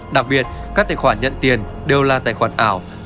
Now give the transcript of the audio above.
đặc biệt các tài khoản nhận tiền đều là tài khoản ảo